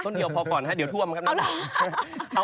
ต้นเดียวพอก่อนเดี๋ยวท่วมครับน้ำนอง